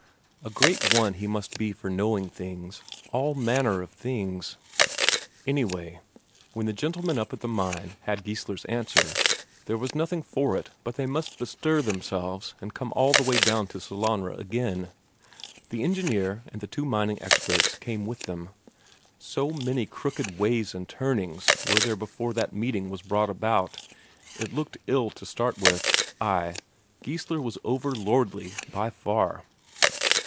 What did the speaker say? A great one he must be for knowing things, all manner of things. Anyway, when the gentlemen up at the mine had Geissler's answer, there was nothing for it but they must bestir themselves and come all the way down to Sellanraa again. The engineer and the two mining experts came with them. So many crooked ways and turnings were there before that meeting was brought about. It looked ill to start with; ay, Geissler was over lordly by far.